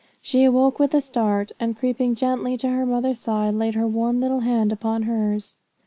She awoke with a start; and creeping gently to her mother's side, laid her warm little hand upon hers.